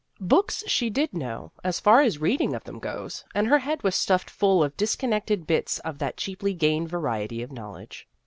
Books she did know, as far as reading of them goes, and her head was stuffed full of disconnected bits of that cheaply gained variety of knowledge.